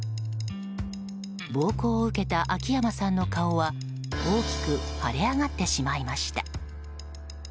暴行を受けた秋山さんの顔は大きくはれ上がってしまいました。